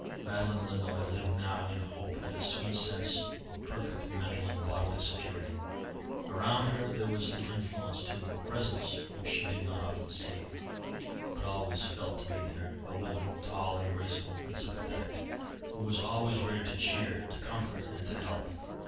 Madeleine Lannoy lived now in hope and a sweet sense of perfect mental and bodily security. Around her there was an influence, too, a presence which she did not often see, but always felt to be there: a woman, tall and graceful and sympathetic, who was always ready to cheer, to comfort, and to help.